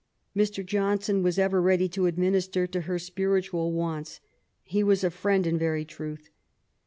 Mr. Johnson was ever ready to administer to her spiritual wants ; he was a friend in very truth.